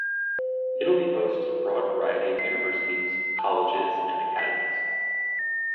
Italy hosts a broad variety of universities, colleges and academies.